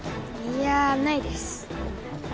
いやないです